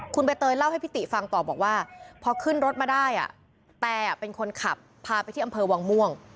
คุณใบเตยเล่าให้พี่ติฟังต่อบอกว่าพอขึ้นรถมาได้แต่เป็นคนขับพาไปที่อำเภอวังม่วง